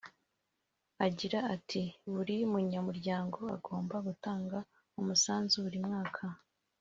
Agira ati “Buri munyamuryango agomba gutanga umusanzu buri mwaka (